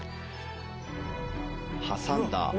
挟んだ。